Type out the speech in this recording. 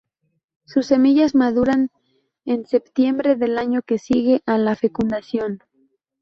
Sus semillas maduran en septiembre del año que sigue a la fecundación.